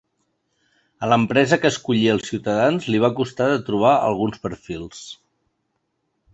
A l’empresa que escollia els ciutadans li va costar de trobar alguns perfils.